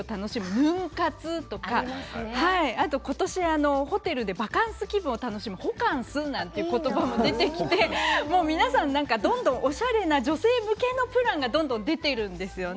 ヌン活やホテルでバカンス気分を楽しむホカンスという言葉も出てきて皆さんどんどん、おしゃれな女性向けのプランが出ているんですね。